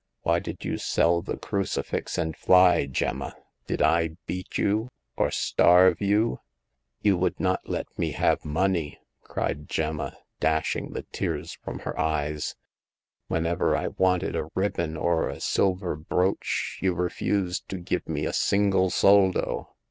Why did you sell the crucifix and fly, Gemma ? Did I beat you, or starve you ?"You would not let me have money !" cried Gemma, dashing the tears from her eyes ; "when ever I wanted a ribbon or a silver brooch you refused to give me a single soldo.''